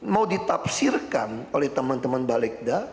mau ditafsirkan oleh teman teman balegda